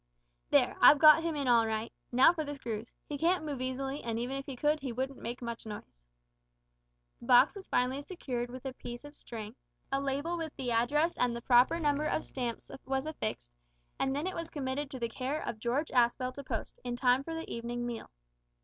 "There; I've got him in all right. Now for the screws. He can't move easily, and even if he could he wouldn't make much noise." The box was finally secured with a piece of string, a label with the address and the proper number of stamps was affixed, and then it was committed to the care of George Aspel to post, in time for the evening mail.